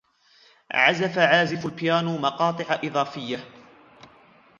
عزف عازف البيانو مقاطع إضافية.